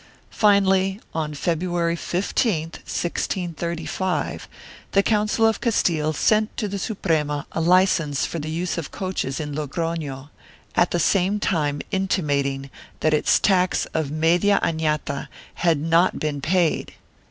Finally, on February 15, 1635, the Council of Castile sent to the Suprema a licence for the use of coaches in Logrofio, at the same time intimating that its tax of media anata had not been paid.